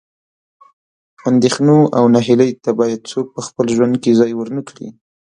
اندېښنو او نهیلۍ ته باید څوک په خپل ژوند کې ځای ورنه کړي.